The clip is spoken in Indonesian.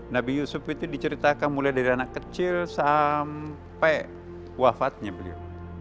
nabi yusuf itu diceritakan mulai dari anak kecil sampai wafatnya beliau